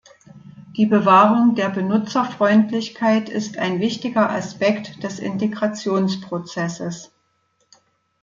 Die Bewahrung der Benutzerfreundlichkeit ist ein wichtiger Aspekt des Integrationsprozesses.